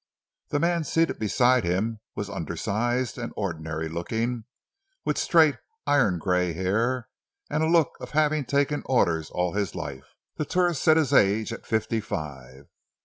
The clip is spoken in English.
The man seated beside him was undersized and ordinary looking, with straight, iron gray hair and a look of having taken orders all his life. The tourist set his age at fifty five.